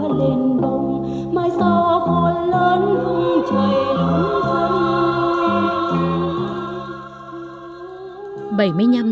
mai sau khuôn lớn vùng trời đông thân